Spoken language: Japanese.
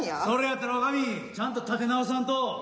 それやったら女将ちゃんと立て直さんと。